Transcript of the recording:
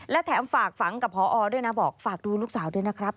และแถมฝากฝังกับพอด้วยนะบอกฝากดูลูกสาวด้วยนะครับ